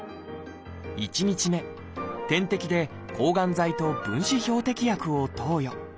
１日目点滴で抗がん剤と分子標的薬を投与。